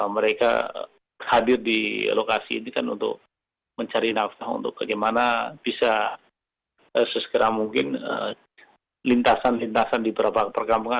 mereka hadir di lokasi ini kan untuk mencari nafkah untuk bagaimana bisa sesegera mungkin lintasan lintasan di beberapa perkampungan